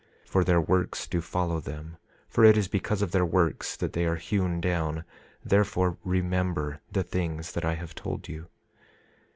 27:12 For their works do follow them, for it is because of their works that they are hewn down; therefore remember the things that I have told you.